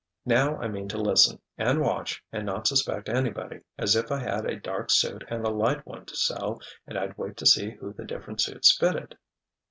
"Now I mean to listen, and watch, and not suspect anybody, as if I had a dark suit and a light one to sell and I'd wait to see who the different suits fitted!"